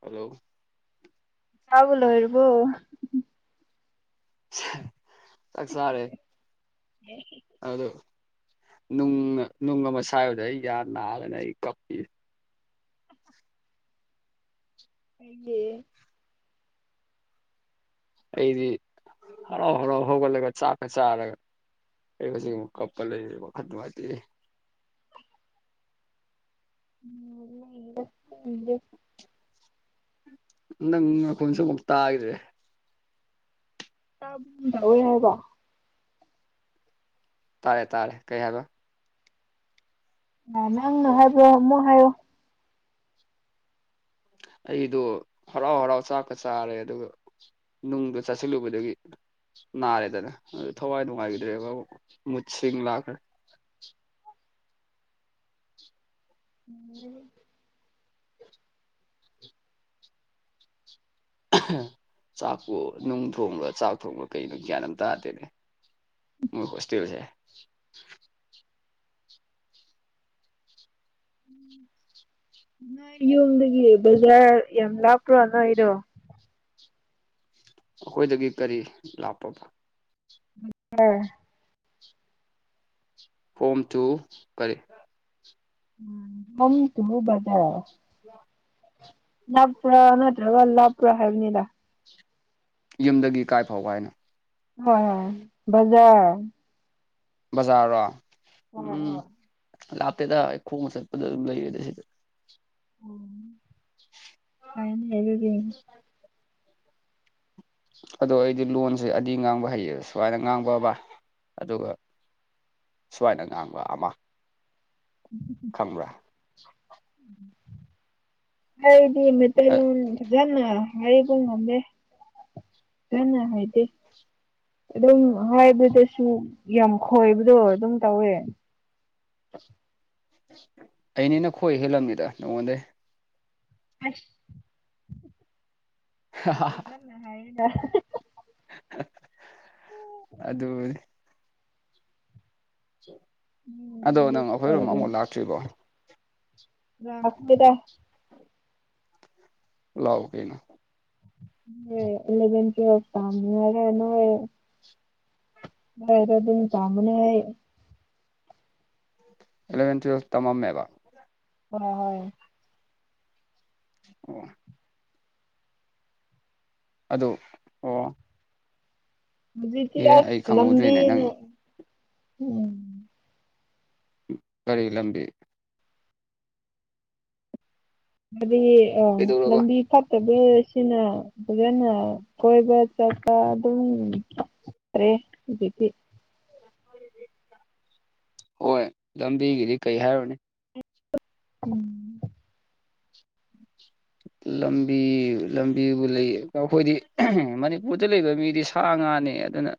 Hello ꯆꯥꯕ ꯂꯣꯏꯔꯕꯣ ꯆꯥꯛ ꯆꯔꯦ꯫ [inaudible] ꯑꯗꯨ ꯅꯨꯡ ꯅꯨꯡ ꯑꯃ ꯁꯥꯏꯕꯗ ꯑꯩ ꯌꯥꯝ ꯅꯥꯗꯅ ꯑꯩ ꯀꯞꯄꯤ꯫ ꯑꯌꯦ ꯑꯩꯗꯤ ꯍꯔꯥꯎ ꯍꯔꯥꯎ ꯍꯧꯒꯠꯂꯒ ꯆꯥꯛꯀ ꯆꯥꯔꯒ꯫ ꯑꯩ ꯉꯁꯤ ꯀꯞꯄ ꯂꯩ ꯋꯥꯈꯠ ꯅꯨꯡꯉꯥꯏꯇꯦ꯫ [unintelligible] ꯅꯪ ꯉꯈꯨꯜꯁꯨ ꯑꯃꯨꯛ ꯇꯥꯈꯤꯗ꯭ꯔꯦ꯫ ꯇꯥꯒꯨꯝ ꯇꯧꯋꯦ ꯍꯥꯏꯕꯣ꯫ ꯇꯥꯔꯦ ꯇꯥꯔꯦ ꯀꯩ ꯍꯥꯏꯕ꯫ ꯅꯪꯅ ꯍꯥꯏꯕ꯭ꯔꯣ ꯑꯃꯨꯛ ꯍꯥꯏꯌꯣ꯫ ꯑꯩꯗꯣ ꯍꯔꯥꯎ ꯍꯔꯥꯎ ꯆꯥꯛꯀ ꯆꯥꯔꯦ ꯑꯗꯨꯒ ꯅꯨꯡꯗꯣ ꯆꯥꯁꯤꯜꯂꯨꯕꯗꯒꯤ꯫ ꯅꯥꯔꯦꯗꯅ ꯑꯗꯨ ꯊꯋꯥꯏ ꯅꯨꯡꯉꯥꯏꯗ꯭ꯔꯦꯕ ꯃꯨꯠꯁꯤꯡ ꯂꯥꯛꯈ꯭ꯔꯦ꯫ [unintelligible] ꯆꯥꯛꯄꯨ ꯅꯨꯡ ꯊꯣꯡꯕ꯭ꯔꯥ ꯆꯥꯛ ꯊꯣꯡꯕ꯭ꯔꯥ ꯀꯩꯅꯣ ꯒ꯭ꯌꯥꯟ ꯑꯃ ꯇꯥꯗꯦꯅꯦ꯫ ꯃꯣꯏ ꯍꯣꯁꯇꯦꯜꯁꯦ꯫ ꯅꯣꯏ ꯌꯨꯝꯗꯒꯤ ꯕꯖꯥꯔ ꯌꯥꯝ ꯂꯥꯞꯄ꯭ꯔꯣ ꯅꯣꯏꯗꯣ꯫ ꯑꯩꯈꯣꯏꯗꯒꯤ ꯀꯔꯤ ꯂꯥꯛꯄꯕ꯫ [unintelligible] ꯐꯣꯝ ꯇꯨ ꯀꯔꯤ ꯐꯣꯝꯇꯨꯕꯗ ꯕꯗꯔ [inaudible] ꯅꯛꯄꯔꯥ ꯅꯠꯇꯔꯒ ꯂꯥꯞꯄꯔꯥ ꯍꯥꯏꯕꯅꯤꯗ꯫ ꯌꯨꯝꯗꯒꯤ ꯀꯥꯏ ꯐꯥꯎ ꯍꯥꯏꯅꯣ? ꯍꯣꯏ ꯍꯣꯏ ꯕꯖꯔ ꯕꯖꯥꯔꯔꯣ ꯍꯣꯏ ꯎꯝ ꯍꯣꯏ ꯂꯥꯞꯇꯦꯗ ꯑꯩ ꯈꯣꯡꯅ ꯆꯠꯄꯗ ꯑꯗꯨꯝ ꯂꯩꯌꯦꯗ ꯁꯤꯗꯤ꯫ ꯎꯝ ꯐꯩꯅꯦ ꯗꯨꯗꯤ꯫ [inaudible] ꯑꯗꯣ ꯑꯩꯗꯤ ꯂꯣꯟꯁꯦ ꯑꯅꯤ ꯉꯥꯡꯕ ꯍꯩꯌꯦ ꯁꯨꯃꯥꯏꯅ ꯉꯥꯡꯕ ꯑꯃ ꯑꯗꯨꯒ ꯁꯨꯃꯥꯏꯅ ꯉꯥꯡꯕ ꯑꯃ [inaudible] ꯈꯪꯕ꯭ꯔꯥ? ꯍꯗꯤ ꯃꯇꯩ ꯐꯖꯅ ꯍꯥꯏꯕ ꯉꯝꯗꯦ ꯀꯟꯅ ꯍꯥꯏꯗꯦ ꯑꯗꯨꯝ ꯍꯥꯏꯕꯗꯁꯨ ꯌꯥꯝ ꯈꯣꯏꯕꯗꯣ ꯑꯗꯨꯝ ꯇꯧꯋꯦ [inaudible] ꯑꯩꯅ‌ꯦꯅ ꯈꯣꯏ ꯍꯦꯜꯂꯝꯃꯤꯗ ꯅꯉꯣꯟꯗꯩ ꯑꯁ [unintelligible] [unintelligible] ꯑꯗꯨꯅꯤ ꯑꯗꯣ ꯅꯪ ꯃꯤꯛꯁ ꯑꯈꯣꯏꯔꯣꯝ ꯑꯣꯏꯔꯕꯅꯤ ꯑꯃꯨꯛ ꯂꯥꯛꯇ꯭ꯔꯤꯕꯣ ꯂꯥꯛꯇꯦꯗ ꯂꯥꯛꯎ ꯀꯩꯅꯣ ꯑꯦꯂꯕꯦꯟ ꯇꯨꯋꯦꯜꯐ ꯇꯥꯝꯅꯍꯦ ꯅꯣꯏ [unintelligible] ꯑꯦꯂꯕꯦꯟ ꯇꯨꯋꯦꯜꯊ ꯇꯃꯝꯃꯦꯕ ꯍꯣꯏ ꯍꯣꯏ ꯑꯣ ꯑꯗꯨ ꯑꯣ ꯍꯧꯖꯤꯛ ꯇꯤ ꯑꯦ ꯑꯩ ꯑꯁ ꯈꯪꯍꯧꯗ꯭ꯔꯦꯅꯦ ꯅꯪ ꯂꯝꯕꯤꯅ ꯎꯝ ꯀꯔꯤ ꯂꯝꯕꯤ ꯍꯥꯏꯗꯤ ꯑ ꯀꯩꯗꯧꯔꯕ ꯂꯝꯕꯤ ꯐꯠ ꯇꯕ ꯁꯤꯅ ꯐꯖꯅ ꯀꯣꯏꯕ ꯆꯠꯄ ꯑꯗꯨꯝ ꯇꯔꯦ ꯍꯨꯖꯤꯛꯇꯤ ꯍꯣꯏ ꯂꯝꯕꯤꯒꯤꯗꯤ ꯀꯩ ꯍꯥꯏꯔꯨꯅꯤ ꯎꯝ ꯂꯝꯕꯤ ꯂꯝꯕꯤꯕꯨ ꯂꯩ ꯑꯈꯣꯏꯗꯤ ꯃꯅꯤꯄꯨꯔꯗ ꯂꯩꯕ ꯃꯤꯗꯤ ꯁꯥ ꯉꯥꯅꯦ ꯑꯗꯨꯅ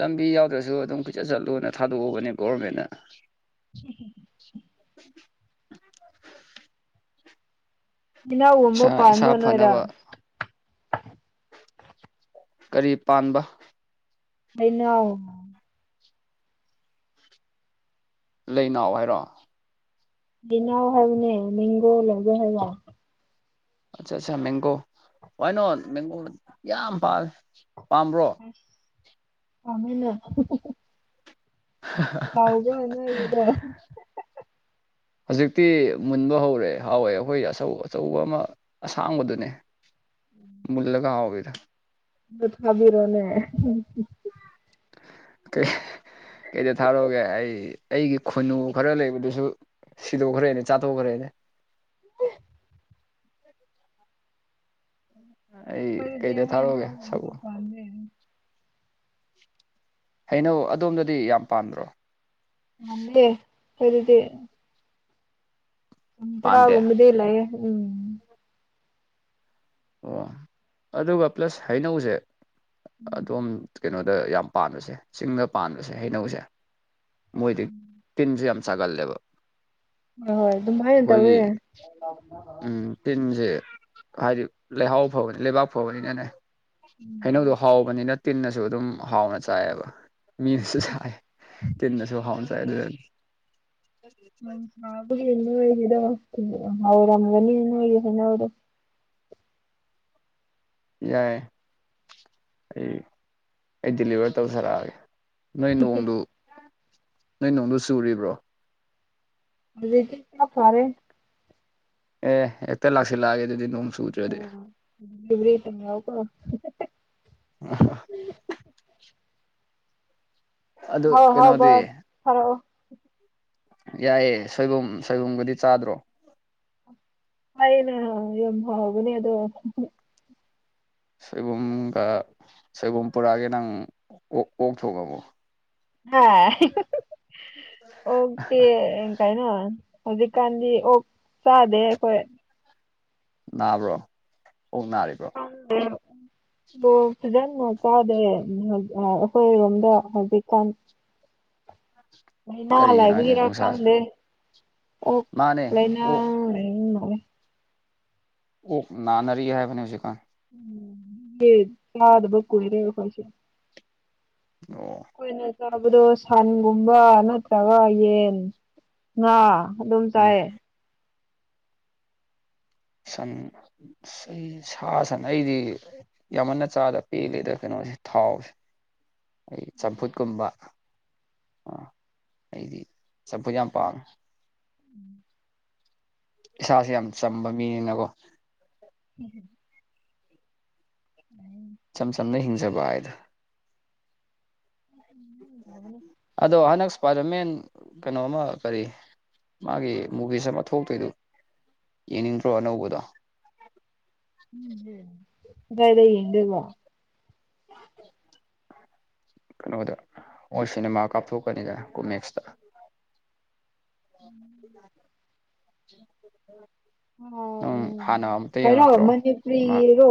ꯂꯝꯕꯤ ꯌꯥꯎꯗ꯭ꯔꯁꯨ ꯑꯗꯨꯝ ꯀꯣꯏꯆꯠ ꯆꯠꯂꯨꯅ ꯊꯥꯗꯣꯛꯎꯕꯅꯦ ꯒꯣꯔꯃꯦꯟꯅ [inaudible] ꯍꯩꯅꯧꯒꯨꯝꯕ ꯏꯁꯥ ꯏꯁꯥ ꯄꯥꯟꯕ꯭ꯔꯣ ꯅꯣꯏꯗ ꯐꯅꯕ ꯀꯔꯤ ꯄꯥꯟꯕ ꯍꯩꯅꯥꯎ ꯂꯩꯅꯥꯎ ꯍꯥꯏꯔꯣ ꯂꯤꯅꯥꯎ ꯍꯥꯏꯕꯅꯦ ꯃꯦꯡꯒꯣ ꯂꯣ ꯍꯥꯏꯕ ꯑꯠꯆꯥ ꯑꯠꯆꯥ ꯃꯦꯡꯒꯣ ꯋꯥꯏꯅꯣꯠ ꯃꯦꯡꯒꯣ ꯌꯥꯝ ꯄꯥꯜꯂꯦ ꯄꯥꯝꯕ꯭ꯔꯣ ꯄꯥꯝꯃꯦꯅꯦ [unintelligible] ꯍꯥꯎꯕꯔ‌ꯣ ꯅ‌ꯣꯏꯒꯤꯗ‌ꯣ ꯍꯧꯖꯤꯛꯇꯤ ꯃꯨꯟꯕ ꯍꯧꯔꯦ ꯍꯥꯎꯋꯦ ꯑꯩꯈꯣꯏꯒꯤ ꯑꯆꯧ ꯑꯆꯧꯕ ꯑꯃ ꯑꯁꯥꯡꯕꯗꯨꯅꯦ ꯃꯨꯜꯂꯒ ꯍꯥꯎꯕꯤꯗꯨ ꯗꯨ ꯊꯥꯕꯤꯔꯣꯅꯦ ꯀꯩꯗ ꯊꯥꯔꯛꯑꯣꯒꯦ ꯑꯩ ꯑꯩꯒꯤ ꯈꯨꯟꯅꯨ ꯈꯔ ꯂꯩꯕꯗꯨꯁꯨ ꯁꯤꯗꯣꯛꯈ꯭ꯔꯦꯅꯦ ꯆꯥꯊꯣꯛꯈ꯭ꯔꯦꯅꯦ ꯑꯣ [inaudible] ꯑꯥꯏꯠ ꯈꯣꯏꯗꯗꯤ ꯍꯩꯅꯧꯒꯨꯝꯕ ꯄꯥꯟꯗꯦ ꯍꯩꯅꯧ ꯑꯗꯣꯝꯗꯗꯤ ꯌꯥꯝ ꯄꯥꯟꯗ꯭ꯔꯣ ꯃꯜꯂꯦ ꯈꫭꯏꯗꯗꯤ ꯎꯗ꯭ꯔ ꯄꯥꯟꯗꯦ ꯎꯃꯗꯤ ꯂꯩꯌꯦ ꯎꯝ ꯑꯣ ꯑꯗꯨꯒ ꯄ꯭ꯂꯁ ꯍꯩꯅꯧꯖꯦ ꯑꯗꯣꯝ ꯀꯩꯅꯣꯗ ꯌꯥꯝ ꯄꯥꯟꯕꯁꯦ ꯆꯤꯡꯗ ꯄꯥꯟꯕꯁꯦ ꯍꯩꯅꯧꯖꯦ ꯃꯣꯏꯗꯤ ꯇꯤꯟꯖꯦ ꯌꯥꯝ ꯆꯒꯜꯂꯦꯕ ꯍꯣꯏ ꯑꯗꯨꯃꯥꯏꯅ ꯇꯧꯋꯦ ꯎꯝ ꯇꯤꯟꯇꯦ ꯍꯥꯏꯗꯤ ꯂꯩꯍꯥꯎ ꯐꯕꯅꯤ ꯂꯩꯕꯥꯛ ꯐꯕꯅꯤꯅꯅꯦ ꯍꯩꯅꯧꯗꯣ ꯍꯥꯎꯕꯅꯤꯅ ꯇꯤꯟꯅꯁꯨ ꯑꯗꯨꯝ ꯍꯥꯎꯅ ꯆꯥꯏꯑꯌꯦꯕ ꯃꯤꯅꯁꯨ ꯆꯥꯏ ꯇꯟꯅꯁꯨ ꯍꯥꯎꯅ ꯆꯥꯏ ꯑꯗꯨꯅꯅꯤ ꯅꯣꯡ ꯆꯕꯒꯤ ꯅꯣꯏꯒꯤꯗꯣ ꯉꯏꯔꯝꯒꯅꯤ ꯅꯣꯏꯒꯤ ꯍꯩꯅꯧꯗꯣ ꯌꯥꯏ ꯑꯩ ꯑꯩ ꯗꯤꯂꯤꯚꯔ ꯇꯧꯊꯔꯛꯑꯒꯦ ꯅꯣꯏ ꯅꯣꯡꯗꯨ ꯅꯣꯏ ꯅꯣꯡꯗꯨ ꯆꯨꯔꯤꯕ꯭ꯔꯣ ꯍꯧꯖꯤꯛꯇꯤ ꯈ ꯐꯔꯦ ꯑꯦ ꯍꯦꯛꯇ ꯂꯥꯛꯁꯤꯜꯂꯛꯑꯒꯦ ꯑꯗꯨꯗꯤ ꯅꯣꯡ ꯆꯨꯗ꯭ꯔꯗꯤ ꯗꯤꯂꯤꯕ꯭ꯔꯤ ꯇꯝ ꯌꯥꯎꯒꯣ ꯑ ꯑꯗꯨ ꯍ ꯍꯧ ꯀꯩꯅꯣꯗꯤ ꯒꯣꯠ ꯐꯔꯛꯑꯣ ꯌꯥꯏꯌꯦ ꯁꯣꯏꯕꯨꯝ ꯁꯣꯏꯕꯨꯝꯒꯗꯤ ꯆꯥꯗ꯭ꯔꯣ ꯆꯌꯦꯅ ꯌꯝ ꯍꯥꯎꯕꯅꯦ ꯑꯗꯣ ꯁꯣꯏꯕꯨꯝꯒ ꯁꯣꯏꯕꯨꯝ ꯄꯨꯔꯛꯑꯒꯦ ꯅꯪ ꯑꯣꯛ ꯑꯣꯛ ꯊꯣꯡꯉꯝꯃꯣ ꯍ ꯑꯣꯛꯇꯤ ꯀꯩꯅꯣ ꯍꯧꯖꯤꯛꯀꯥꯟꯗꯤ ꯑꯣꯛ ꯆꯥꯗꯦ ꯑꯩꯈꯣꯏ ꯅꯥꯕ꯭ꯔꯣ ꯑꯣꯛ ꯅꯥꯔꯤꯕ꯭ꯔꯣ ꯈꯡꯗꯦ ꯑꯗꯣ ꯐꯖꯅ ꯆꯥꯗꯔꯦ ꯑꯈꯣꯏꯔꯣꯝꯗ ꯍꯧꯖꯤꯛꯀꯥꯟ ꯂꯩꯏꯅꯥ ꯀꯔꯤꯒꯤꯅꯣ ꯍꯥꯏꯁꯦ ꯂꯩꯏꯕꯒꯤꯔ ꯅꯨꯡꯁꯥ ꯈꯪꯗꯦ ꯑꯣꯛ ꯃꯥꯅꯦ ꯂꯩꯏꯅꯥ ꯑꯣꯛ ꯂꯩꯕ ꯃꯜꯂꯦ ꯑꯣꯛ ꯅꯥꯅꯔꯤ ꯍꯥꯏꯕꯅꯦ ꯍꯧꯖꯤꯛꯀꯥꯟ ꯆꯗꯕꯀꯨꯏꯔꯦ ꯑꯈꯣꯏꯁꯨ ꯑꯣ ꯑꯩꯈꯣꯏꯅ ꯆꯥꯕꯗꯣ ꯁꯟꯒꯨꯝꯕ ꯅꯠꯇ꯭ꯔꯒ ꯌꯦꯟ ꯉꯥ ꯑꯗꯨꯝ ꯎꯝ ꯆꯥꯏꯌꯦ ꯁꯟ ꯑꯩ ꯁꯥ ꯁꯟ ꯑꯩꯗꯤ ꯌꯥꯝꯃꯟꯅ ꯆꯥꯗ ꯄꯦꯜꯂꯤꯦꯗ ꯀꯩꯅꯣꯁꯦ ꯊꯥꯎꯁꯦ ꯑꯩ ꯆꯝꯐꯨꯠꯀꯨꯝꯕ ꯑ ꯑꯩꯗꯤ ꯆꯝꯐꯨꯠ ꯌꯥꯝ ꯄꯥꯝꯃꯦ ꯏꯁꯥꯥꯁꯦ ꯌꯥꯝ ꯆꯝꯕ ꯃꯤꯅꯤꯅꯀꯣ ꯎꯝ [unintelligible] ꯆꯝ ꯆꯝꯅ ꯍꯤꯡꯖꯕ ꯍꯥꯏꯗ ꯑꯗꯣ ꯑꯅꯥꯛꯁ ꯏꯁꯄꯥꯏꯗꯃꯦꯟ ꯀꯩꯅꯣꯃ ꯀꯔꯤ ꯃꯥꯒꯤ ꯃꯨꯚꯤꯁ ꯑꯃ ꯊꯣꯛꯇꯣꯏꯗꯨ ꯌꯦꯡꯅꯤꯡꯗ꯭ꯔꯣ ꯑꯅꯧꯕꯗꯣ ꯀꯥꯗꯏꯗ ꯌꯦꯡꯗꯣꯏꯕꯣ ꯀꯩꯅꯣꯗ ꯃꯣꯏ ꯁꯤꯅꯦꯃꯥ ꯀꯥꯞꯊꯣꯛꯀꯅꯤꯗꯅꯥ ꯀꯣꯃꯦꯁꯇ [inaudible] ꯑꯣ ꯅꯪ ꯎꯝ ꯍꯥꯟꯅ ꯑꯃꯨꯛꯇ ꯀꯩꯅꯣ ꯌꯦꯡꯉꯛꯇ꯭ꯔꯣ ꯃꯥ ꯃꯅꯤꯄꯨꯔꯤ ꯔꯣ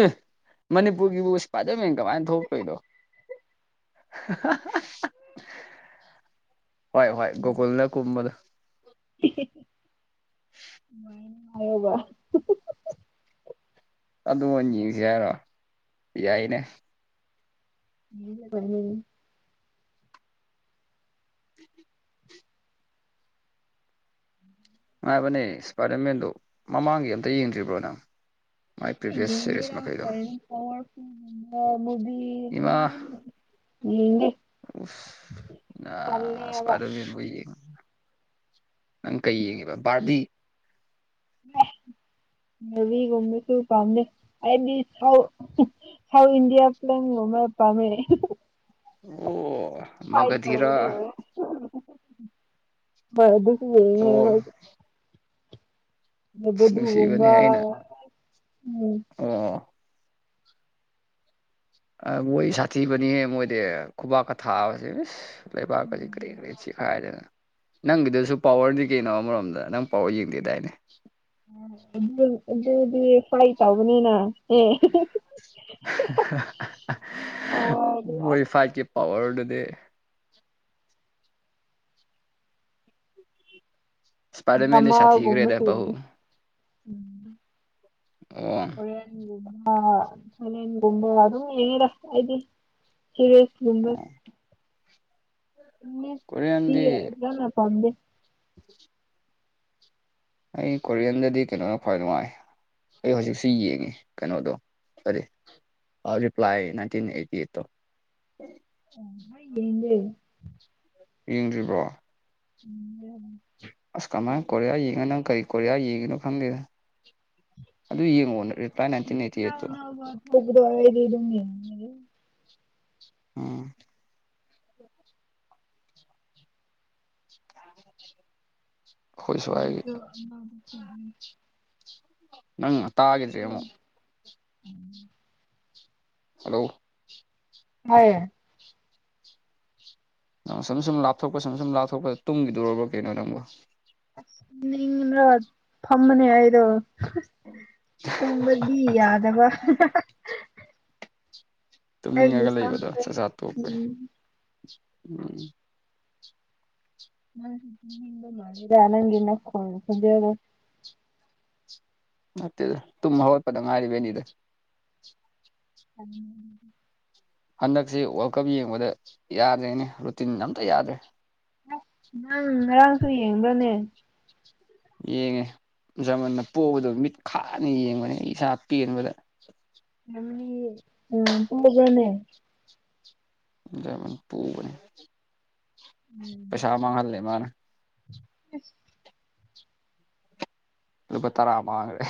ꯑꯦ ꯃꯅꯤꯄꯨꯔꯒꯤꯕꯨ ꯏꯁꯄꯥꯏꯗꯔꯃꯦꯟ ꯀꯃꯥꯏꯅ ꯊꯣꯛꯇꯣꯏꯅꯣ ꯍꯣꯏ ꯍꯣꯏ ꯒꯣꯀꯨꯜꯅ ꯀꯨꯝꯕꯗꯣ ꯃꯥꯅ ꯍꯥꯏꯔꯕꯣ ꯑꯗꯨ ꯑꯣꯏꯅ ꯌꯦꯡꯁꯤ ꯍꯥꯏꯔꯣ ꯌꯥꯏꯅꯦ [unintelligible] [inaudible] ꯅꯨꯉꯥꯏꯕꯅꯦ ꯏꯁꯄꯥꯏꯗꯔꯃꯦꯟꯗꯣ ꯃꯃꯥꯡꯒꯤ ꯑꯝꯇ ꯌꯦꯡꯗ꯭ꯔꯤꯕ꯭ꯔꯣ ꯅꯪ ꯃꯥꯏ ꯑꯩ ꯄ꯭ꯔꯤꯚꯤꯌꯁ ꯁꯦꯔꯤꯁ ꯌꯦꯡꯗꯦꯗ ꯃꯈꯩꯗꯣ ꯄꯋꯥꯔ ꯒꯨꯝꯕꯥ ꯃꯨꯕꯤ ꯏꯃꯥ ꯑꯗꯨꯃꯥꯏꯅ ꯌꯦꯡꯗꯦ ꯑꯁ ꯏꯁꯄꯥꯏꯗꯔꯃꯦꯟ ꯕꯣ ꯌꯦꯡꯉꯨ ꯅꯪ ꯀꯩ ꯌꯦꯡꯉꯤꯕ ꯕꯥꯔꯕꯤ ꯕꯥꯔꯕꯤ ꯒꯨꯝꯕꯁꯨ ꯄꯥꯝꯗꯦ ꯑꯩꯗꯤ ꯎꯝ ꯁꯥꯎ ꯏꯟꯗꯤꯌꯥ ꯄꯤꯂꯝ ꯒꯨꯝꯕ ꯄꯝꯃꯦ ꯑꯣ ꯐꯥꯏꯠ ꯃꯒꯙꯤꯔꯥ ꯇꯧꯕꯗꯣ ꯑꯗꯣ ꯑꯗꯨꯁꯨ ꯑꯣ ꯌꯦꯡꯅꯤꯡꯉꯤ ꯑꯩꯈꯣꯏꯁꯨ ꯑꯁ ꯅꯨꯡꯁꯤꯕꯅꯦ ꯑꯗꯨꯒꯨꯝꯕ ꯑꯣ ꯑꯣ ꯃꯣꯏ ꯁꯥꯊꯤꯕꯅꯤꯍꯦ ꯃꯣꯏꯗꯤ ꯈꯨꯕꯥꯛꯀ ꯊꯥꯕꯁꯦ ꯑꯁ ꯂꯩꯕꯥꯛꯀꯁꯤ ꯀꯔꯦꯛ ꯀꯔꯦꯛ ꯆꯤꯛꯈꯥꯏꯗꯅ ꯅꯪꯒꯤꯗꯨꯁꯨ ꯄꯋꯥꯔꯅꯤ ꯀꯩꯅꯣ ꯑꯃꯔꯣꯝꯗ ꯅꯪ ꯄꯋꯥꯔ ꯌꯦꯡꯗꯦꯗꯥꯏꯅꯦ ꯑꯗꯨ ꯑꯗꯨꯗꯤ ꯐ꯭ꯔꯥꯏꯠ ꯇꯧꯕꯅꯤꯅ ꯑꯦ ꯃꯣꯏ ꯑꯁ ꯐꯥꯏꯠꯀꯤ ꯄꯋꯥꯔꯗꯨꯗꯤ ꯏꯁꯄꯥꯏꯗꯔꯃꯦꯟꯗꯤ ꯗꯦꯃꯥꯜ ꯁꯥꯊꯤꯈ꯭ꯔꯦꯗ ꯒꯨꯝꯕꯁꯨ ꯕꯥꯍꯨ ꯌꯦꯡꯉꯦ ꯎꯝ ꯑꯣ ꯀꯣꯔꯦꯟꯒꯨꯝꯕ ꯊꯥꯏꯂꯦꯟꯒꯨꯝꯕ ꯑꯗꯨꯝ ꯌꯦꯡꯉꯤꯗ ꯑꯩꯗꯤ ꯁꯤꯔꯤꯁꯒꯨꯝꯕ ꯏꯪꯂꯤꯁꯇꯤ ꯀꯣꯔꯤꯌꯟꯗꯤ ꯌꯥꯝꯅꯥ ꯄꯥꯝꯗꯦ ꯑꯩ ꯀꯣꯔꯤꯌꯟꯗꯗꯤ ꯀꯩꯅꯣꯅ ꯈ꯭ꯋꯥꯏ ꯅꯨꯡꯉꯥꯏ ꯑꯩ ꯍꯧꯖꯤꯛꯁꯨ ꯌꯦꯡꯉꯤ ꯀꯩꯅꯣꯗꯣ ꯀꯥꯔꯤ ꯑꯥ ꯔꯤꯞꯂꯥꯏ ꯅꯥꯏꯇꯤꯟ ꯑꯩꯇꯤꯑꯩꯠ ꯇꯨ [unintelligible] ꯌꯦꯡꯗ꯭ꯔꯤꯕ꯭ꯔꯣ ꯎꯝ ꯌ ꯑꯁ ꯀꯃꯥꯏ ꯀꯣꯔꯤꯌꯥ ꯌꯦꯡꯉꯤ ꯅꯪ ꯀꯔꯤ ꯀꯣꯔꯤꯌꯥ ꯌꯦꯡꯉꯤꯅꯣ ꯈꯪꯗꯦꯗ ꯑꯗꯨ ꯌꯦꯡꯉꯣ ꯄꯥꯏꯟ ꯅꯥꯏꯇꯤꯟ ꯑꯦꯠ ꯑꯅꯧ ꯑꯅꯧꯕ ꯊꯣꯛꯄꯗꯣ ꯑꯩꯗꯤ ꯑꯗꯨꯝ ꯌꯦꯡꯌꯦ ꯎꯝ [inaudible] ꯑꯩꯈꯣꯏ ꯁ꯭ꯋꯥꯏꯒꯤ [unintelligible] ꯅꯪ ꯑ [unintelligible] ꯍꯜꯂꯣ ꯇꯥꯏꯌꯦ ꯅꯪꯅ ꯁꯨꯝ ꯁꯨꯝ ꯂꯥꯞꯊꯣꯛꯄ ꯁꯨꯝ ꯁꯨꯝ ꯂꯥꯞꯊꯣꯛꯄꯗ ꯇꯨꯝꯒꯤꯗꯣꯔꯕ ꯀꯩꯅꯣ ꯅꯪꯕꯨ ꯇꯨꯝꯅꯤꯡꯔꯠ ꯐꯝꯕꯅꯦ ꯑꯩꯗꯣ ꯇꯨꯝꯕꯗꯤ ꯌꯥꯗꯕ ꯑꯩꯒꯤ ꯇꯨꯝꯅꯤꯡꯉꯒ ꯂꯩꯕꯗꯣ ꯁꯝꯁꯦ ꯆꯥꯛꯆꯥꯥ ꯇꯣꯛꯄꯩ ꯎꯝ ꯅꯪꯁꯨ ꯇꯨꯝꯅꯤꯡꯕ ꯃꯥꯜꯂꯤꯗ ꯅꯪꯒꯤ ꯅꯈꯣꯟ ꯈꯣꯟꯖꯦꯜꯗꯨ ꯅꯠꯇꯦꯗ ꯇꯨꯝ ꯍꯧꯒꯠꯄꯗ ꯉꯥꯏꯔꯤꯕꯩꯅꯤꯗ [unintelligible] ꯍꯟꯗꯛꯁꯦ ꯋꯥ꯭ꯔꯜ ꯀꯞ ꯌꯦꯡꯕꯗ ꯌꯥꯗ꯭ꯔꯦꯅꯦ ꯔꯨꯇꯤꯟꯒ ꯑꯝꯇ ꯌꯥꯗ꯭ꯔꯦ ꯅꯪ ꯉꯔꯥꯡꯁꯨ ꯌꯦꯡꯕ꯭ꯔꯅꯦ ꯌꯦꯡꯉꯦ ꯖꯔꯃꯟꯅ ꯄꯣꯛꯕꯗꯣ ꯃꯤꯠ ꯈꯥꯅ ꯌꯦꯡꯕꯅꯦ ꯑꯩ ꯏꯁꯥ ꯄꯦꯟꯕꯗ ꯖꯔꯃꯅꯤ ꯎꯝ ꯇꯨꯝꯃꯖꯤꯔꯅꯦ ꯖꯔꯃꯅꯤ ꯄꯨꯕꯅꯤ ꯄꯩꯁꯥ ꯃꯥꯡꯍꯜꯂꯦ ꯃꯥꯅ ꯏꯁ ꯂꯨꯄꯥ ꯇꯔꯥ ꯃꯥꯡꯒ꯭ꯔꯦ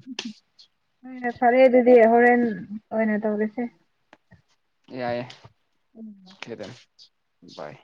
[unintelligible] ꯐꯔꯦ ꯑꯗꯨꯗꯤ ꯍꯣꯔꯦꯟ ꯑꯣꯏꯅ ꯇꯧꯔꯁꯦ ꯌꯥꯏꯌꯦ ꯎꯝ [unintelligible] ꯒꯨꯠ ꯕꯥꯏ